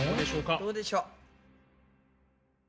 どうでしょう？